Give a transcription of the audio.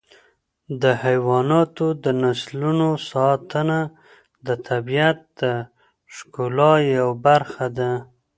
د حیواناتو د نسلونو ساتنه د طبیعت د ښکلا یوه برخه ده.